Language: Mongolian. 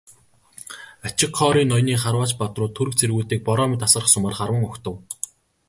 Ачигхори ноёны харваач баатрууд түрэг цэргүүдийг бороо мэт асгарах сумаар харван угтав.